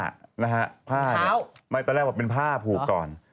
ตอนแรกบอกว่าเป็นผ้าผูกก่อน